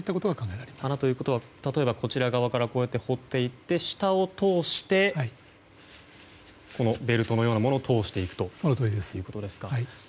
穴ということは例えば、こちら側から掘っていって、下を通してベルトのようなものを通していくということですか。